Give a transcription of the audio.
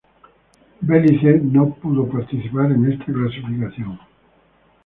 Belice no pudo participar en esta clasificación.